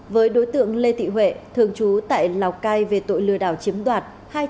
với đối tượng lê thị huệ thường trú tại lào cai về tội lừa đảo chiếm đoạt hai trăm ba mươi chín một